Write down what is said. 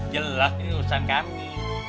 jelas ini urusan kami